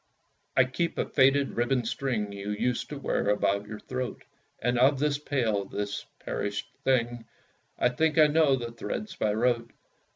I keep a faded ribbon string You used to wear about your throat; And of this pale, this perished thing, I think I know the threads by rote.